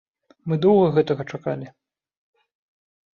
Мы доўга гэтага чакалі!